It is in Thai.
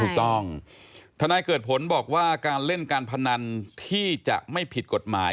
ทนายเกิดผลบอกว่าการเล่นการพนันที่จะไม่ผิดกฎหมาย